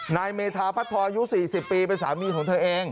นายเมธาพัททรอายุ๔๐ปีเป็นสามีของเธอเอง